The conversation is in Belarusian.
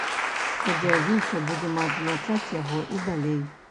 Спадзяюся, будзем адзначаць яго і далей.